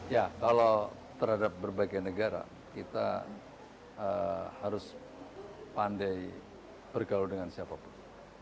ya kalau terhadap berbagai negara kita harus pandai bergaul dengan siapapun